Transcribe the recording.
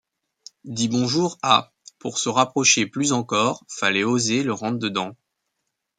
Dis bonjour à Pour se rapprocher plus encore fallait oser le rentre-dedans.